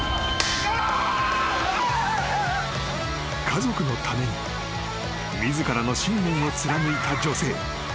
［家族のために自らの信念を貫いた女性］